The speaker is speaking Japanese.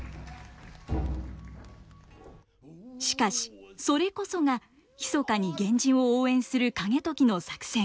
しかしそれこそが密かに源氏を応援する景時の作戦。